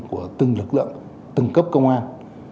của từng lực lượng từng cấp công an